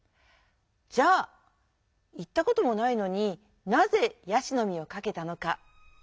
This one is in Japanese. じゃあ行ったこともないのになぜ「椰子の実」を書けたのか？